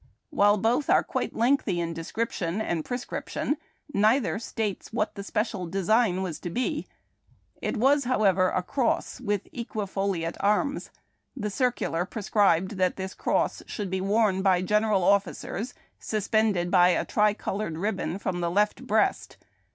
While both are quite lengthy in description and prescrip tion, neither states what the special design v/as to be. It was, however, a cross with equi foliate arms. The circular prescribed that this cross should be worn by general officers, suspended by a tri colored ribbon from the left breast.